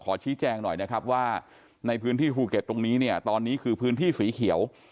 ชี้แจงหน่อยนะครับว่าในพื้นที่ภูเก็ตตรงนี้เนี่ยตอนนี้คือพื้นที่สีเขียว